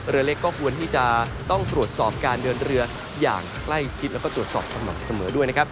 เรือเล็กก็ควรที่จะต้องตรวจสอบการเดินเรืออย่างใกล้ชิดแล้วก็ตรวจสอบสม่ำเสมอด้วยนะครับ